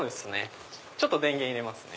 ちょっと電源入れますね。